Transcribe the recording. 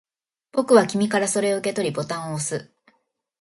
僕は君からそれを受け取り、ボタンを押す